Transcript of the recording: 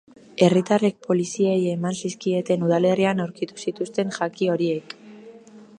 Herritarrek poliziei eman zizkieten udalerrian aurkitu zituzten jaki horiek.